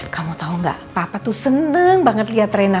kamu tau gak papa tuh seneng banget liat reina